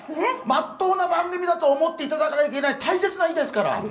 まっとうな番組だと思っていただかなきゃいけない大切な日ですから。